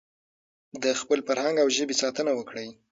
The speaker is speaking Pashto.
د خپل فرهنګ او ژبې ساتنه وکړئ.